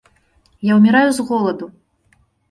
Я ўміраю з голаду.